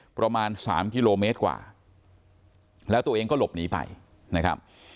ประมาณสามกิโลเมตรกว่าแล้วตัวเองก็หลบหนีไปนะครับ